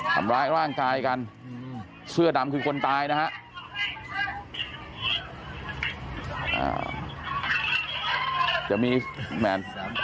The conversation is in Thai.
ทำร้ายร่างกายกันเสื้อดำคือคนตายนะฮะ